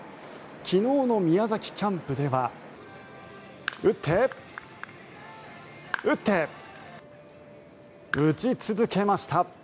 昨日の宮崎キャンプでは打って、打って打ち続けました。